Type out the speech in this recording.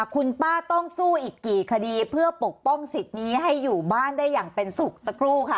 คุณป้าต้องสู้อีกกี่คดีเพื่อปกป้องสิทธิ์นี้ให้อยู่บ้านได้อย่างเป็นสุขสักครู่ค่ะ